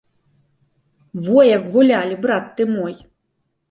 Во як гулялі, брат ты мой!